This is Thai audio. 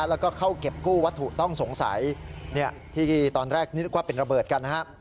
แล้วก็เข้าเก็บกู้วัตถุต้องสงสัยที่ตอนแรกนึกว่าเป็นระเบิดกันนะฮะ